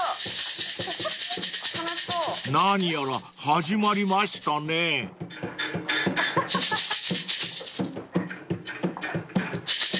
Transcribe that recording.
［何やら始まりましたね］ハハハ。ハハハ。